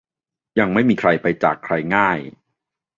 ยังไม่มีใครไปจากใครง่าย